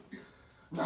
何！？